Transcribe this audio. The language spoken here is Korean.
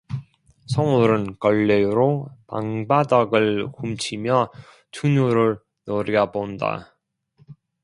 성월은 걸레로 방바닥을 훔치며 춘우를 노려본다.